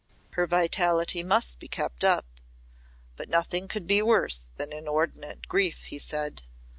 "Her vitality must be kept up Nothing could be worse than inordinate grief," he said.